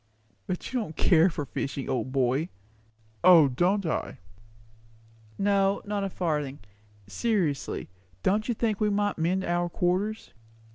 "But you don't care for fishing, old boy." "O, don't I!" "No, not a farthing. Seriously, don't you think we might mend our quarters?"